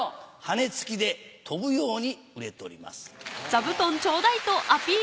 ハネ付きで飛ぶように売れております。